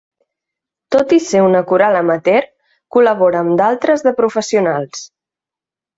Tot i ser una coral amateur, col·labora amb d'altres de professionals.